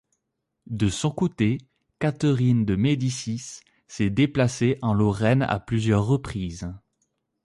De son côté, Catherine de Médicis s'est déplacée en Lorraine à plusieurs reprises.